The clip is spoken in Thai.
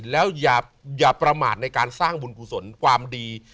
แล้วอย่าประมาทในการสร้างบุญกุศลความดี